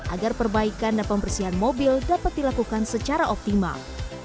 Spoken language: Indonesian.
agar perbaikan dan pembersihan mobil dapat dilakukan secara optimal